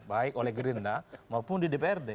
baik oleh gerindra maupun di dprd